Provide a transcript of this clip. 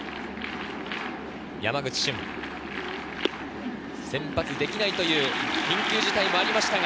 山口俊、先発できないという緊急事態がありましたが、